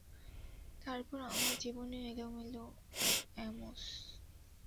তারপর আমার জীবনে এলো অ্যামোস।